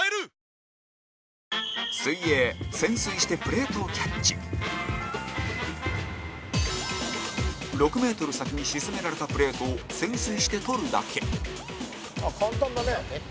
ヘアマスクも６ｍ先に沈められたプレートを潜水して取るだけ山崎：簡単だね。